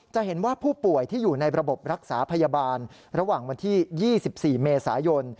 จะเห็นว่าผู้ป่วยที่อยู่ในระบบรักษาพยาบาลระหว่างวันที่๒๔เมษายน